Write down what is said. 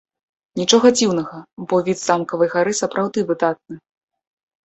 Нічога дзіўнага, бо від з замкавай гары сапраўды выдатны.